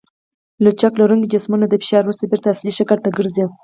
لچک لرونکي جسمونه د فشار وروسته بېرته اصلي شکل ته ګرځي.